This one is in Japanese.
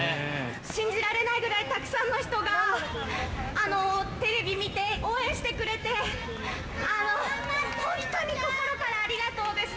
信じられないぐらいたくさんの人が、テレビ見て応援してくれて、本当に心からありがとうです。